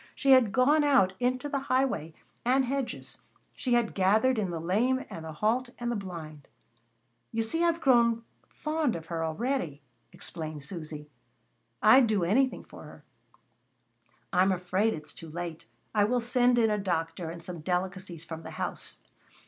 She had gone out into the highway and hedges, she had gathered in the lame and the halt and the blind. "You see I've grown fond of her, a'ready," explained Susy. "I'd do anything for her." "I'm afraid it's too late. I will send in a doctor, and some delicacies from the house."